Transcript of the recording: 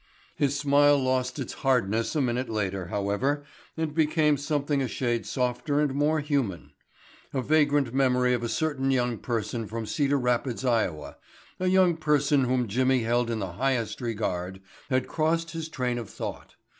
His smile lost its hardness a minute later, however, and became something a shade softer and more human. A vagrant memory of a certain young person from Cedar Rapids, Iowa,—a young person whom Jimmy held in the highest regard—had crossed his train of thought.